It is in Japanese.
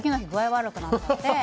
悪くなっちゃって。